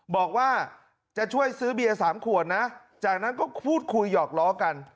บอกว่าจะช่วยซื้อเบียร์๓ขวดนะจากนั้นก็พูดคุยหยอกล้อกัน